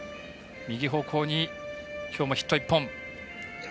右方向にきょうもヒットは１本。